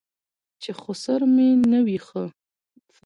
چې خسر مې نه وي ښه.